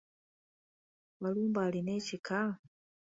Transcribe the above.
Walumbe alina ekika?